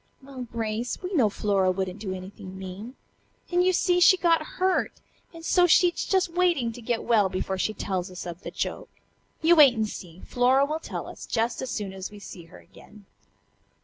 "Well, Grace, we know Flora wouldn't do anything mean. And, you see, she got hurt, and so she's just waiting to get well before she tells us of the joke. You wait and see. Flora will tell us just as soon as we see her again."